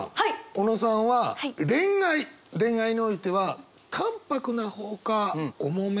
小野さんは恋愛恋愛においては淡泊な方か重め？